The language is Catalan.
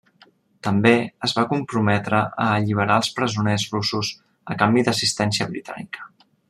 També es va comprometre a alliberar als presoners russos a canvi d'assistència britànica.